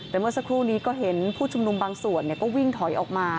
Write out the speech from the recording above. แต่เมื่อสักครู่นี้ก็เห็นผู้ชุมนุมบางส่วนก็วิ่งถอยออกมา